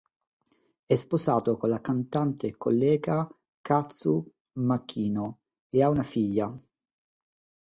È sposato con la cantante e collega Kazu Makino e ha una figlia.